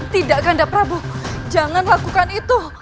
tidak ganda prabu jangan lakukan itu